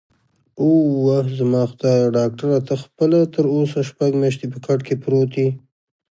اووه، زما خدایه، ډاکټره ته خپله تراوسه شپږ میاشتې په کټ کې پروت یې؟